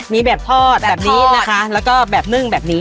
มีแบบทอดแบบนี้นะคะแล้วก็แบบนึ่งแบบนี้